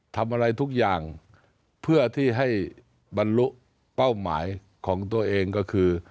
ทำอะไรทุกอย่างเพื่อที่ให้บรรลุเป้าหมายของตัวเองก็คือ